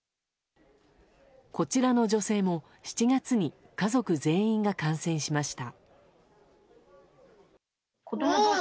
こちらの女性も７月に家族全員が感染しました。